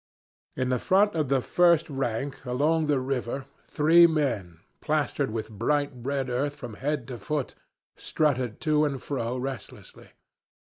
In front of the first rank, along the river, three men, plastered with bright red earth from head to foot, strutted to and fro restlessly.